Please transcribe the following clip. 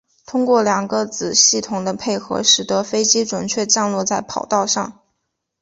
通过两个子系统的配合使得飞机准确降落在跑道上。